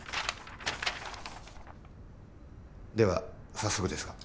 では早速ですが。